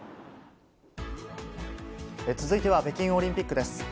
続いては北京オリンピックです。